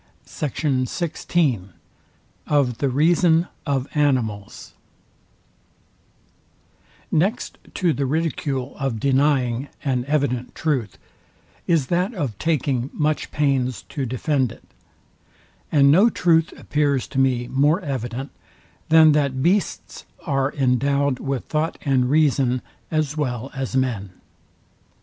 SECT. XVI OF THE REASON OF ANIMALS Next to the ridicule of denying an evident truth, is that of taking much pains to defend it; and no truth appears to me more evident, than that beasts are endowd with thought and reason as well as men.